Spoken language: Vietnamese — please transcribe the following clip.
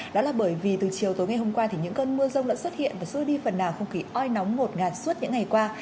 đó là bởi vì từ chiều tối ngày hôm qua thì những cơn mưa rông đã xuất hiện và xui đi phần nào không khí oi nóng ngột ngạt suốt những ngày qua